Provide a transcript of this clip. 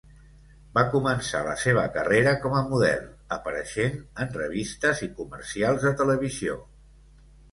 Va començar la seva carrera com a model, apareixent en revistes i comercials de televisió.